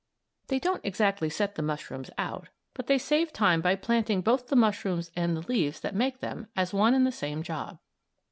They don't exactly set the mushrooms out, but they save time by planting both the mushrooms and the leaves that make them as one and the same job.